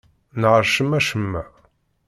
Nheṛ cemma-cemma.